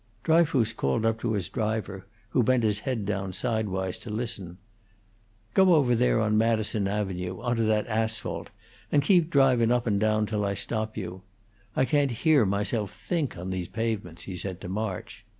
Dryfoos called up to his driver, who bent his head down sidewise to listen: "Go over there on Madison Avenue, onto that asphalt, and keep drivin' up and down till I stop you. I can't hear myself think on these pavements," he said to March.